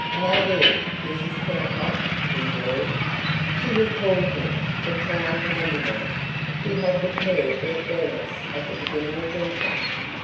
"How do, Mrs. Kennicott," he drawled. She recalled him the town handyman, who had repaired their furnace at the beginning of winter.